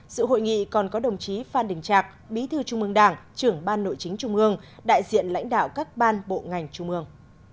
sự hội nghị còn có đồng chí phan đình trạc bí thư trung ương đảng trưởng ban nội chính trung ương đại diện lãnh đạo các ban bộ ngành trung ương